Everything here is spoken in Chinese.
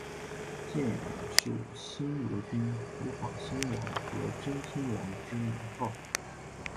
建元是新罗君主法兴王和真兴王之年号。